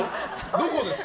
どこですか？